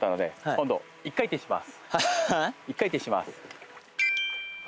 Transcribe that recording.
１回転します